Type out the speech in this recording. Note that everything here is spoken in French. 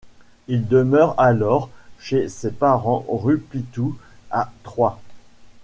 Il demeure alors chez ses parents rue Pithou à Troyes.